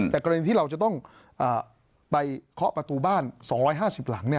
แต่กรณีที่เราจะต้องไปเคาะประตูบ้าน๒๕๐หลัง